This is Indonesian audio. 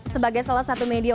sebagai salah satu media